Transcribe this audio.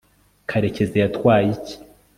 karekezi yatwaye iki